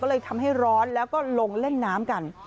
ก็เลยทำให้ร้อนแล้วก็ลงเล่นน้ำกัน